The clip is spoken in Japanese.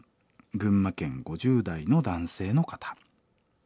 群馬県５０代の男性の方。